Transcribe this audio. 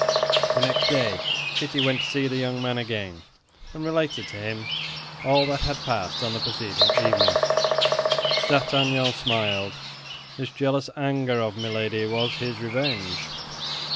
The next day Kitty went to see the young man again, and related to him all that had passed on the preceding evening. D'Artagnan smiled; this jealous anger of Milady was his revenge.